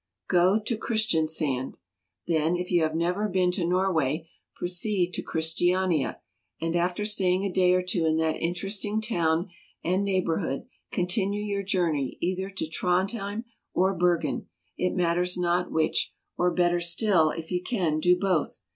Go to Christiansand. Then, if you have never been to Norway, proceed to Christiania, and, after staying a day or two in that interesting town and neighborhood, continue your journey either to Trondhjem or Bergen, it matters not which, or, better still, if you can, do both.